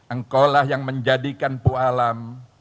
engkaulah yang menjadikan pualam